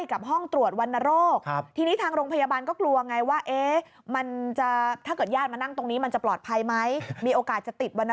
กลัวเพราะว่าวัสดุชน